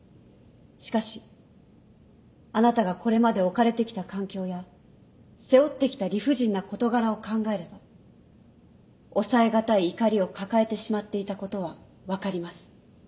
しかしあなたがこれまで置かれてきた環境や背負ってきた理不尽な事柄を考えれば抑えがたい怒りを抱えてしまっていたことは分かります